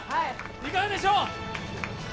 いかがでしょう。